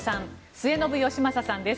末延吉正さんです。